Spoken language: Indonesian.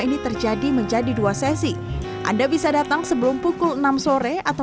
ini terjadi menjadi dua sesi anda bisa datang sebelum pukul enam sore atau